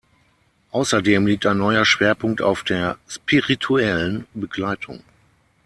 Außerdem liegt ein neuer Schwerpunkt auf der spirituellen Begleitung.